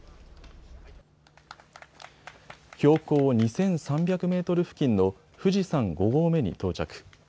標高２３００メートル付近の富士山５合目に到着。